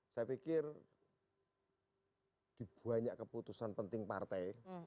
saya pikir di banyak keputusan penting partai